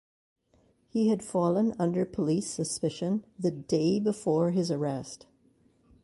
He had fallen under police suspicion the day before his arrest.